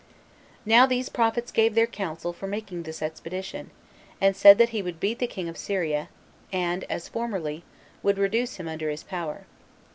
Now these prophets gave their counsel for making this expedition, and said that he would beat the king of Syria, and, as formerly, would reduce him under his power.